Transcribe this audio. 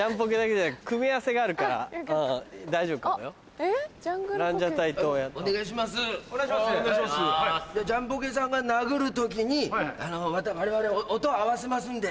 じゃあジャンポケさんが殴る時に我々音合わせますんで。